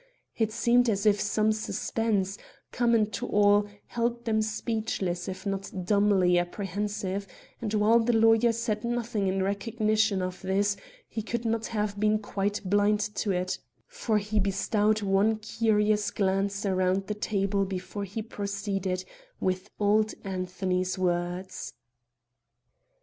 It seemed as if some suspense, common to all, held them speechless if not dumbly apprehensive; and while the lawyer said nothing in recognition of this, he could not have been quite blind to it, for he bestowed one curious glance around the table before he proceeded with old Anthony's words.